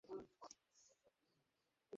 জানতাম সব শেয়ার করেছো!